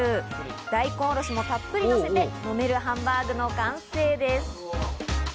大根おろしもたっぷりのせて、飲めるハンバーグの完成です。